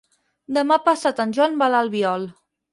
Demà passat en Joan va a l'Albiol.